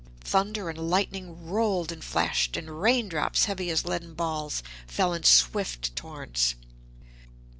Thunder and lightning rolled and flashed, and raindrops heavy as leaden balls fell in swift torrents.